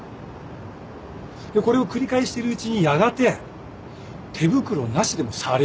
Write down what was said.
でこれを繰り返してるうちにやがて手袋なしでも触れるようになる。